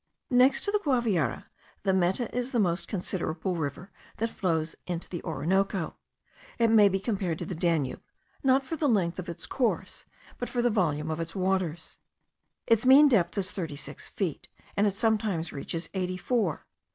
Next to the Guaviare, the Meta is the most considerable river that flows into the Orinoco. It may be compared to the Danube, not for the length of its course, but for the volume of its waters. Its mean depth is thirty six feet, and it sometimes reaches eighty four.